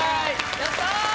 やった！